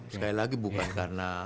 sekali lagi bukan karena